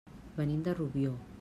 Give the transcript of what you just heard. Venim de Rubió.